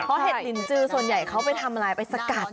เพราะเห็ดลินจือส่วนใหญ่เขาไปทำอะไรไปสกัด